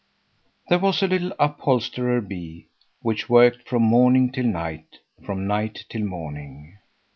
There was a little upholsterer bee which worked from morning till night, from night till morning.